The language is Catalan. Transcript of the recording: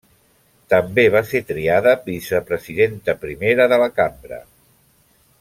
També va ser triada vicepresidenta primera de la cambra.